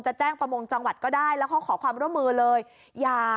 แจ้งประมงจังหวัดก็ได้แล้วเขาขอความร่วมมือเลย